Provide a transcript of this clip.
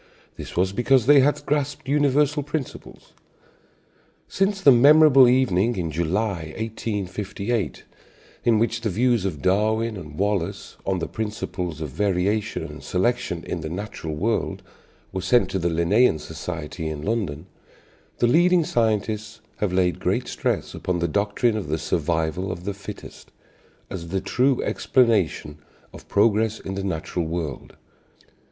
This was because they had grasped universal principles. Since the memorable evening in July, 1858, in which the views of Darwin and Wallace on the principles of variation and selection in the natural world were sent to the Linnaean Society in London, the leading scientists have laid great stress upon the doctrine of the survival of the "fittest" as the true explanation of progress in the natural world.